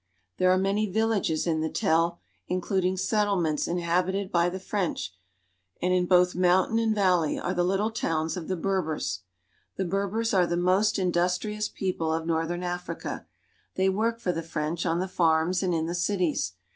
There are many villages in the Tell, including settle ments inhabited by the French, and in both mountain and valley are the little towns of the Berbers. The Berbers are the most industrious people of northern Africa. They work for the French on the farms and in the cities.